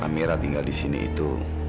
amira tinggal disini itu